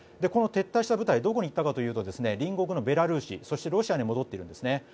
この撤退した部隊はどこに行ったかというと隣国のベラルーシそしてロシアに戻っているんですね。